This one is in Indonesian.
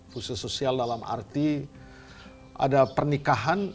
fungsi sosial dalam arti ada pernikahan